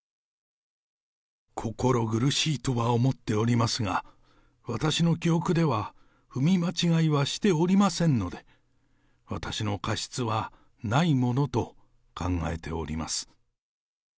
心苦しいとは思っておりますが、私の記憶では、踏み間違いはしておりませんので、私の過失はないものと考えております。